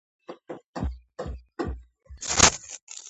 ეკლესია მდებარეობდა თანამედროვე მეორე საჯარო სკოლის რაიონში.